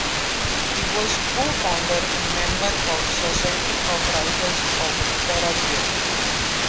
She was co-founder and member of the Society of Writers of Paraguay.